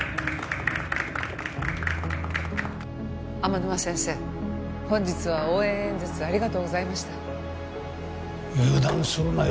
天沼先生本日は応援演説ありがとうございました油断するなよ